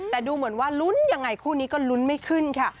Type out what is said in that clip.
แต่ดูเหมือนว่าลุ้นยังไงคู่นี้ก็ลุ้นไม่ขึ้นค่ะ